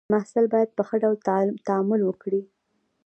محصل باید په ښه ډول تعامل وکړي.